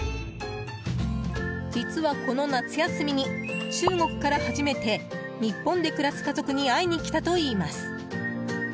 実は、この夏休みに中国から初めて日本で暮らす家族に会いに来たといいます。